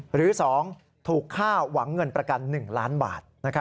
หรือ๒ถูกฆ่าหวังเงินประกัน๑ล้านบาท